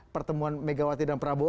pertemuan megawati dan prabowo